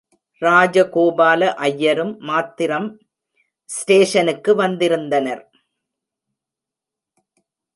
ராஜகோபால ஐயரும் மாத்திரம் ஸ்டேஷ்னுக்கு வந்திருந்தனர்.